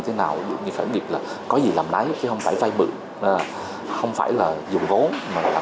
thế nào được như khởi nghiệp là có gì làm lái chứ không phải vay mượn không phải là dùng vốn mà là